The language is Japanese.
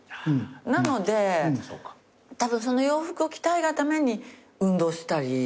なのでたぶんその洋服を着たいがために運動したり。